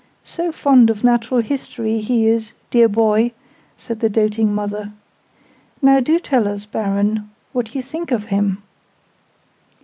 "So fond of Natural History as he is, dear boy!" said the doting mother. "Now do tell us, Baron, what you think of him!"